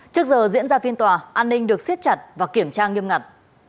trước giờ diễn ra phiên tòa an ninh được siết chặt và kiểm tra nghiêm ngặt